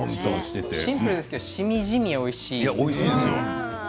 シンプルですけどしみじみおいしいですよね。